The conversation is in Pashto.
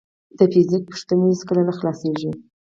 د فزیک پوښتنې هیڅکله نه خلاصېږي.